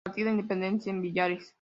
Partido Independiente de Villares.